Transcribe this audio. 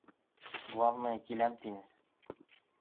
Главное киләм тине.